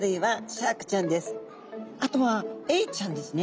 あとはエイちゃんですね。